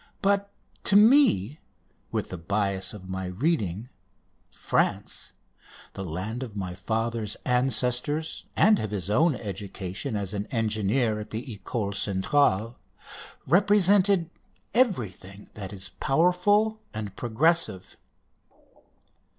But to me, with the bias of my reading, France the land of my father's ancestors and of his own education as an engineer at the École Centrale represented everything that is powerful and progressive.